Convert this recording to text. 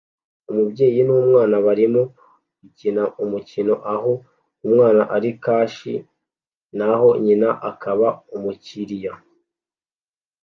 Umubyeyi n'umwana barimo gukina umukino aho umwana ari kashi naho nyina akaba umukiriya